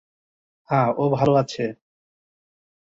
হ্যাঁ, ও ভালো আছে।